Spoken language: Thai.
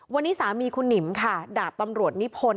วันนี้สามีคุณหนิมค่ะดาบตำรวจนิพนธ